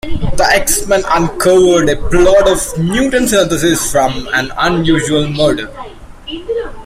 The X-Men uncovered a plot of mutant synthesis from an unusual murder.